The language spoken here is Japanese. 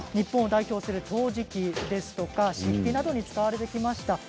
日本代表する陶磁器ですとか漆器などに使われてきました。